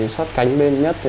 sát cánh bên nhất